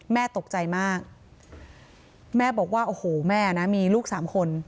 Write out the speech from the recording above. แม่ตกใจมากแม่บอกว่าโอ้โหแม่นะมีลูกสามคน